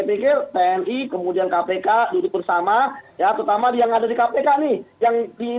pikir tni kemudian kpk duduk bersama ya terutama yang ada di kpk nih nggak bisa jadi yang ini bisa jadi